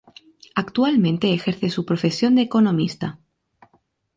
Actualmente ejerce su profesión de economista.